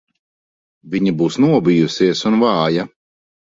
Viņa būs nobijusies un vāja.